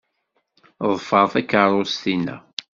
Ḍfer takeṛṛust-inna.